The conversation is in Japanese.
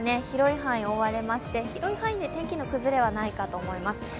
広い範囲で覆われまして、広い範囲で天気の崩れはないかと思います。